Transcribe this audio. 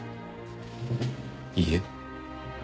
いいえ。